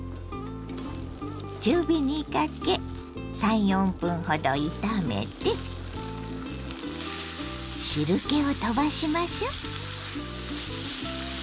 中火にかけ３４分ほど炒めて汁けを飛ばしましょう。